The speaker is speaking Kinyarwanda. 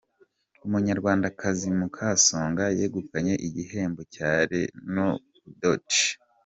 Umunyarwandakazi Mukasonga yegukanye igihembo cya Renawudoti